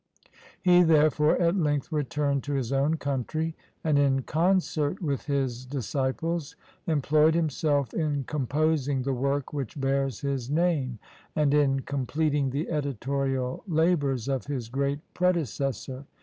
He, therefore, at length, returned to his own country, and in concert with his disciples, employed himself in composing the work which bears his name, and in completing the editorial labors of his great predecessor.